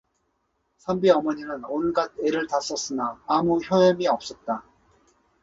선비 어머니는 온갖 애를 다 썼으나 아무 효험이 없었다.